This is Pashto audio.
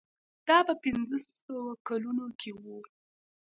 دا په پنځه سوه کلونو کې و.